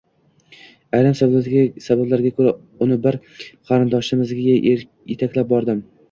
Ayrim sabablarga ko`ra, uni bir qarindoshimiznikiga etaklab bordim